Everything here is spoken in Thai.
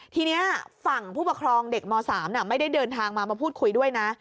ทีนี้ฝั่งผู้ปกครองเด็กม๓ไม่ได้เดินทางมามาพูดคุยด้วยนะ